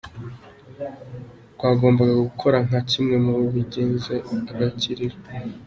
Rwagombaga gukora nka kimwe mu bigize Agakiriro.